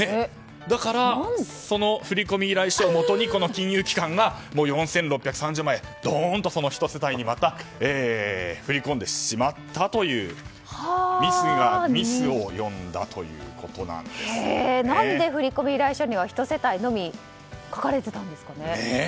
だからその振込依頼書をもとにこの金融機関が４６３０万円、ドンと１世帯にまた振り込んでしまったというミスがミスを呼んだ何で振込依頼書には１世帯のみ書かれていたんですかね。